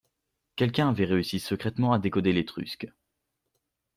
Quelqu’un avait réussi secrètement à décoder l’étrusque